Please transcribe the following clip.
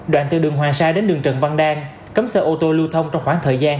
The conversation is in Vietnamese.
đoạn từ đường hoàng sa đến đường trần văn đang cấm xe ô tô lưu thông trong khoảng thời gian